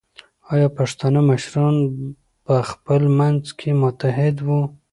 ایا پښتانه مشران په خپل منځ کې متحد وو؟